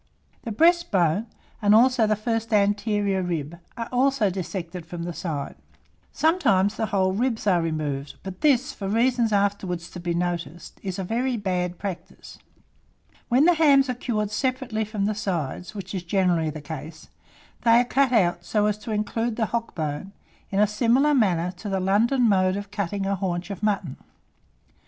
The breast bone, and also the first anterior rib, are also dissected from the side. Sometimes the whole of the ribs are removed; but this, for reasons afterwards to be noticed, is a very bad practice. When the hams are cured separately from the sides, which is generally the case, they are cut out so as to include the hock bone, in a similar manner to the London mode of cutting a haunch of mutton.